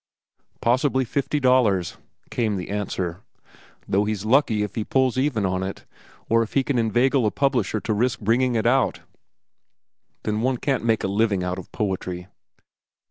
"Possibly fifty dollars," came the answer. "Though he's lucky if he pulls even on it, or if he can inveigle a publisher to risk bringing it out." "Then one can't make a living out of poetry?"